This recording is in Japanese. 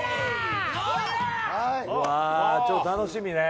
ちょっと楽しみね。